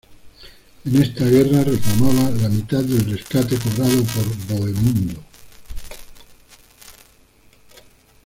En esta guerra reclamaba la mitad del rescate cobrado por Bohemundo.